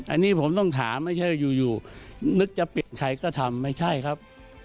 อันนี้ผมต้องถามไม่ใช่อยู่นึกจะปิดใครก็ทำไม่ใช่ครับ